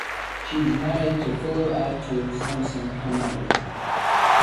She is married to fellow actor Samson Khumalo.